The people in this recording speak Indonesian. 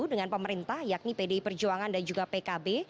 dengan pemerintah yakni pdi perjuangan dan juga pkb